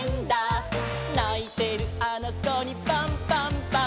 「ないてるあのこにパンパンパン」